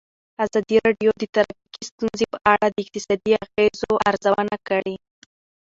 ازادي راډیو د ټرافیکي ستونزې په اړه د اقتصادي اغېزو ارزونه کړې.